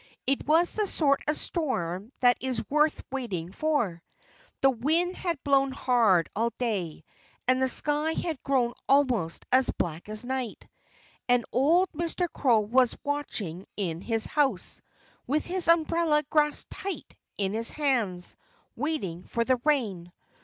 It was the sort of storm that is worth waiting for. The wind had blown hard all day. And the sky had grown almost as black as night. And old Mr. Crow was watching in his house, with his umbrella grasped tight in his hands, waiting for the rain.